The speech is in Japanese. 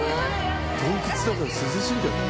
洞窟だから涼しいんじゃない？